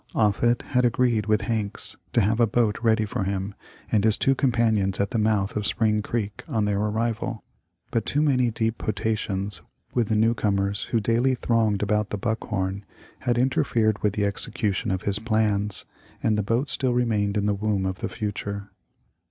Offut had agreed with Hanks to have a boat ready for him and his two companions at the mouth of Spring creek on their arrival, but too many deep potations with the new comers who daily thronged about the " Buck horn " had interfered with the execution of his THR LIPE OF LlAfCOLN^. 73 plans, and the boat still remained in the womb of the future.